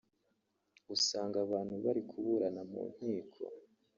[…] usanga abantu bari kuburana mu nkiko